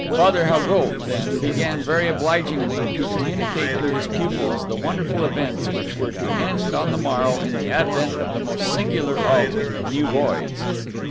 Father Haugoult, then, began very obligingly to communicate to his pupils the wonderful events which were to end on the morrow in the advent of the most singular of "new boys."